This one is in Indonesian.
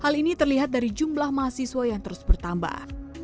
hal ini terlihat dari jumlah mahasiswa yang terus bertambah